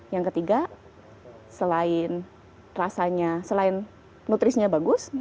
yang ketiga selain rasanya selain nutrisinya bagus